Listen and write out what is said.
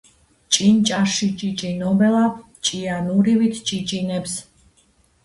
ჭინჭარში ჭიჭინობელა ჭიანურივით ჭიჭინებს